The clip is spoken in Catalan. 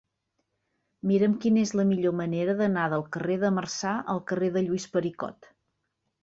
Mira'm quina és la millor manera d'anar del carrer de Marçà al carrer de Lluís Pericot.